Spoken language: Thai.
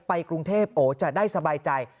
ไปกรุงเทพโอ้จะได้สบายใจ